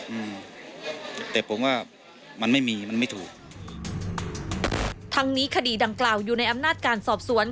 อืมแต่ผมว่ามันไม่มีมันไม่ถูกทั้งนี้คดีดังกล่าวอยู่ในอำนาจการสอบสวน